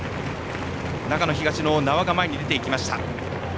長野東の名和が前に出ていきました。